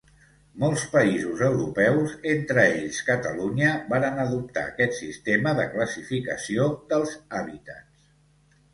Molts països Europeus, entre ells Catalunya, varen adoptar aquest sistema de classificació dels hàbitats.